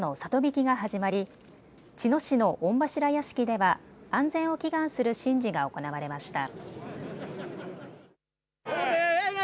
曳きが始まり茅野市の御柱屋敷では安全を祈願する神事が行われました。